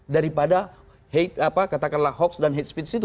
daripada katakanlah hoax dan hate speech itu